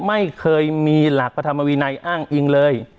ไม่เคยมีหลักพระธรรมวินัยอ้างอิงเลย